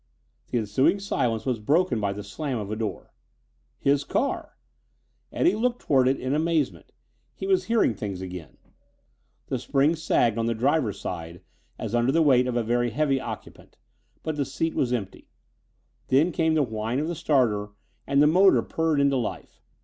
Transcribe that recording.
The ensuing silence was broken by the slam of a door. His car! Eddie looked toward it in amazement; he was hearing things again. The springs sagged on the driver's side as under the weight of a very heavy occupant, but the seat was empty. Then came the whine of the starter and the motor purred into life.